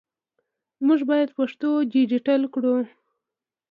موږ باید پښتو ډیجیټل کړو